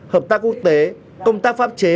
hợp tác quốc tế công tác pháp chế